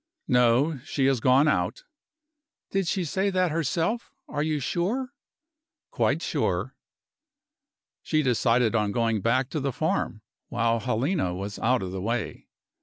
"No she has gone out." "Did she say that herself? Are you sure?" "Quite sure." She decided on going back to the farm, while Helena was out of the way.